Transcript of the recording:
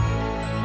tamam lah udah udah